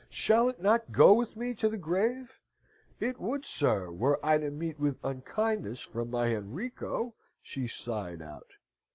"Shall it not go with me to the grave? It would, sir, were I to meet with unkindness from my Henrico!" she sighed out.